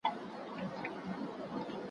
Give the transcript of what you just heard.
بریالی له هر میدانi را وتلی